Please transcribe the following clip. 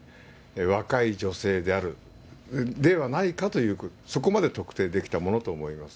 若い女性ではないかという、そこまで特定できたものと思います。